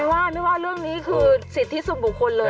ว่าไม่ว่าเรื่องนี้คือสิทธิส่วนบุคคลเลย